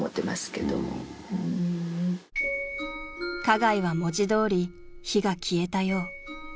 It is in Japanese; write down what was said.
［花街は文字通り灯が消えたよう］